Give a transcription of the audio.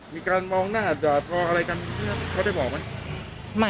มีการมองหน้าด่าพออะไรกันที่นั่นเขาได้บอกมั้ย